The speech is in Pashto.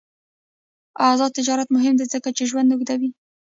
آزاد تجارت مهم دی ځکه چې ژوند اوږدوي.